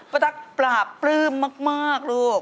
ตั๊กปราบปลื้มมากลูก